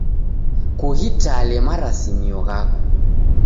Kughitale marasimio ghako.